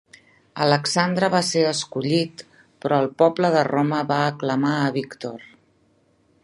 Alexandre va ser escollit, però el poble de Roma va aclamar a Víctor.